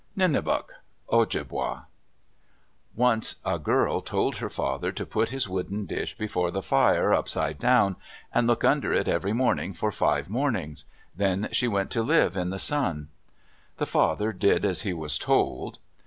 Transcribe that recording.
NENEBUC Ojibwa Once a girl told her father to put his wooden dish before the fire upside down and look under it every morning for five mornings. Then she went to live in the sun. The father did as he was told.